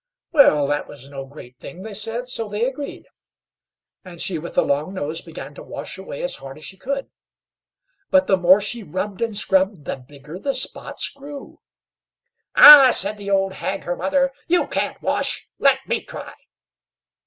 Well, that was no great thing they said, so they agreed, and she with the long nose began to wash away as hard as she could, but the more she rubbed and scrubbed, the bigger the spots grew. "Ah!" said the old hag, her mother, "you can't wash; let me try."